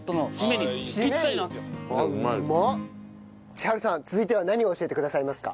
千春さん続いては何を教えてくださいますか？